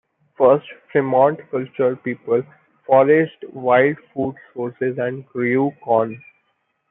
First, Fremont culture people foraged wild food sources and grew corn.